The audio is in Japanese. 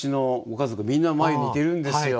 家族みんな眉似てるんですよ。